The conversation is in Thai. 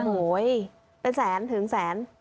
โหวเป็นแสนถึงแสน